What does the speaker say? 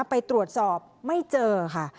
ไปตรวจสอบไม่เจอค่ะ